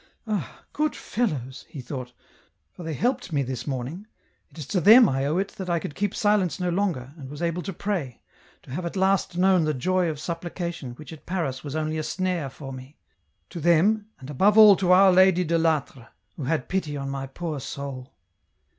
" Ah, good fellows," he thought, '* for they helped me this morning, it is to them I owe it that I could keep silence no longer, and was EN ROUTE, 175 able to pray, to have at last known the joy of supplication which at Paris was only a snare for me ! to them, and above all to Our Lady de I'Atre, who had pity on my poor soul."